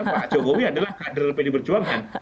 pak jokowi adalah kader pdi perjuangan